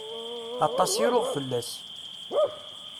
Aṭas i ruɣ fell-as.